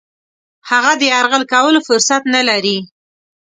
هغه د یرغل کولو فرصت نه لري.